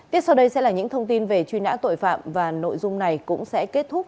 tiếp sau đây sẽ là những thông tin về truy nã tội phạm và nội dung này cũng sẽ kết thúc